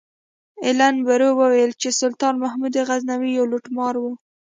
ایلن برو ویل چې سلطان محمود غزنوي یو لوټمار و.